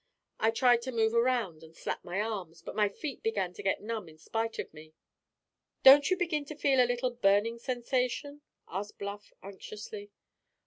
I tried to move around and slap my arms, but my feet began to get numb in spite of me." "Don't you begin to feel a little burning sensation?" asked Bluff anxiously.